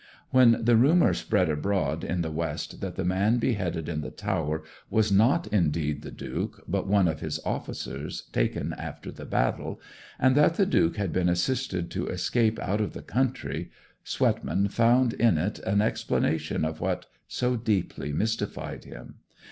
When the rumour spread abroad in the West that the man beheaded in the Tower was not indeed the Duke, but one of his officers taken after the battle, and that the Duke had been assisted to escape out of the country, Swetman found in it an explanation of what so deeply mystified him.